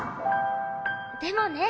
でもね